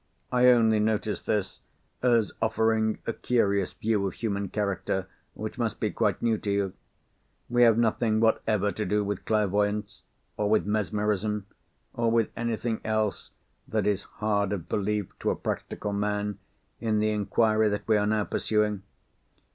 I only notice this as offering a curious view of human character, which must be quite new to you. We have nothing whatever to do with clairvoyance, or with mesmerism, or with anything else that is hard of belief to a practical man, in the inquiry that we are now pursuing.